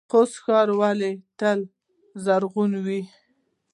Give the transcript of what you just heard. خوست ښار ولې تل زرغون وي؟